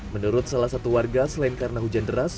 menurut salah satu warga selain karena hujan deras